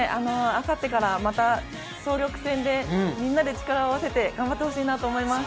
あさってからまた総力戦でみんなで力を合わせて頑張ってほしいなと思います。